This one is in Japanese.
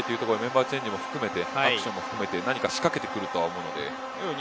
メンバーチェンジポジションも含めて何か仕掛けてくると思います。